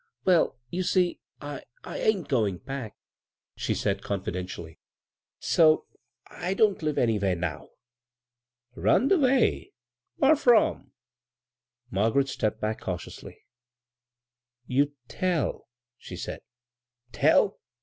"Well, you see, I — I ain't going back," she said confidentially, " so I don't live any where now." " Runned away I Whar from ?" Maggie stepped back cautiously. *' You'd tell," she said. '* Tell